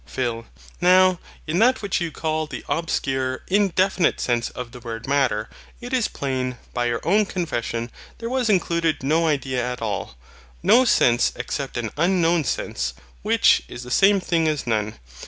PHIL. Now, in that which you call the obscure indefinite sense of the word MATTER, it is plain, by your own confession, there was included no idea at all, no sense except an unknown sense; which is the same thing as none.